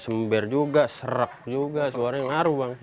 sember juga serak juga suaranya ngaruh bang